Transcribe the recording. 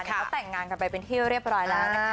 เขาแต่งงานกันไปเป็นที่เรียบร้อยแล้วนะคะ